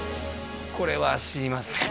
これは知りません